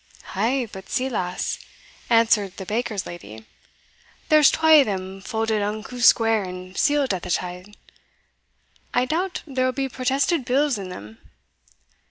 "Ay; but see, lass," answered the baker's lady, "there's twa o' them faulded unco square, and sealed at the tae side I doubt there will be protested bills in them."